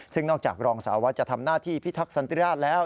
ซึ่งนอกจากรองสาววัดจะทำหน้าที่พิทักษันติราชแล้ว